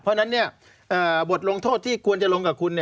เพราะฉะนั้นบทลงโทษที่ควรจะลงกับคุณ